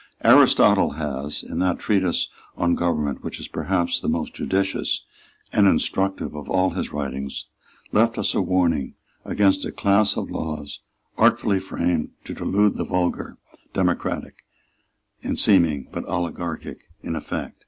Aristotle has, in that treatise on government which is perhaps the most judicious and instructive of all his writings, left us a warning against a class of laws artfully framed to delude the vulgar, democratic in seeming, but oligarchic in effect.